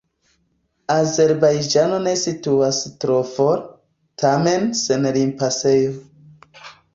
Azerbajĝano ne situas tro for, tamen sen limpasejo.